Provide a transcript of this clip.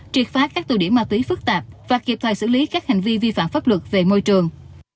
triệt phá các tù điểm ma túy phức tạp và kịp thời xử lý các hành vi vi phạm pháp luật về môi trường